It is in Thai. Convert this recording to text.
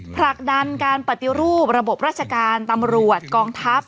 ผลักดันการปฏิรูประบบราชการตำรวจกองทัพ